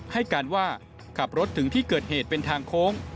ให้การว่าขับรถถึงที่เกิดเหตุเป็นทางโค้ง